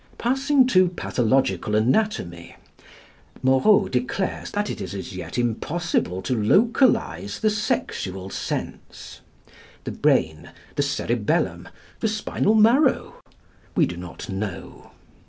Passing to Pathological Anatomy, Moreau declares that it is as yet impossible to localise the sexual sense. The brain, the cerebellum, the spinal marrow? We do not know.